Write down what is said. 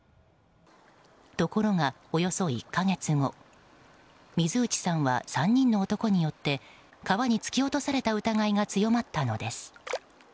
ところが、およそ１か月後水内さんは３人の男によって川に突き落とされた疑いが強まったのです。